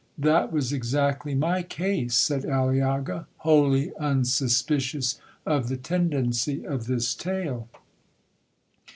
'—'That was exactly my case,' said Aliaga, wholly unsuspicious of the tendency of this tale.